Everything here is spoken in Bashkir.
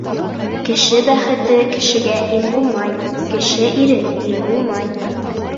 Кеше бәхете кешегә им булмай, кеше ире ир булмай.